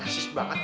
nasis banget tuh